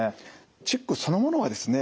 チックそのものはですね